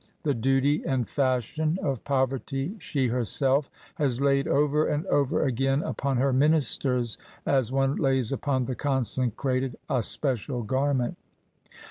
The duty and fashion of poverty she herself has laid over and over again upon her ministers as one lays upon the consecrated a special garment."